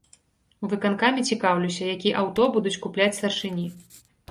У выканкаме цікаўлюся, які аўто будуць купляць старшыні.